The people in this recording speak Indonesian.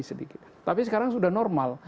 sedikit tapi sekarang sudah normal